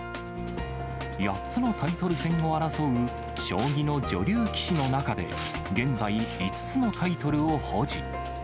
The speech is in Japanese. ８つのタイトル戦を争う将棋の女流棋士の中で、現在、５つのタイトルを保持。